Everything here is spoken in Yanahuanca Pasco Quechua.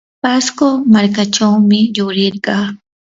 pasco markachawmi yurirqaa.